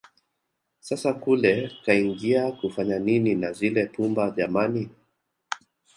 Sasa kule kaingia kufanya nini na zile pumba jamani